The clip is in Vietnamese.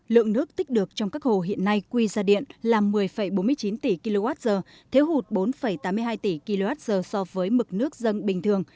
lượng nước tích được trong các hồ hiện nay quy ra điện là một mươi bốn mươi chín tỷ kwh thiếu hụt bốn tám mươi hai tỷ kwh so với mực nước dân bình thường